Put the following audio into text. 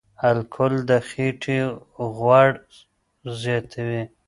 الکول د خېټې غوړ زیاتوي.